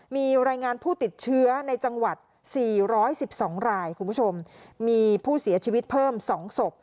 มีรายงานผู้ติดเชื้อในจังหวัด๔๑๒รายคุณผู้ชมมีผู้เสียชีวิตเพิ่ม๒ศพ